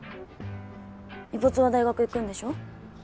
みぽつは大学行くんでしょ？